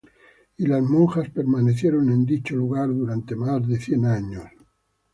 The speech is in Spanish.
Y las monjas permanecieron en dicho lugar durante más de cien años.